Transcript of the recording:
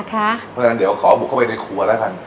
เพราะฉะนั้นเดี๋ยวขอบุกเข้าไปในครัวแล้วกัน